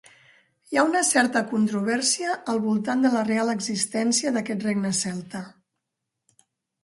Hi ha una certa controvèrsia al voltant de la real existència d'aquest regne celta.